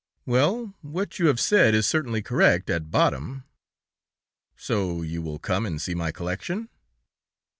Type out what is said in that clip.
"Well, what you have said is certainly correct, at bottom." "So you will come and see my collection?"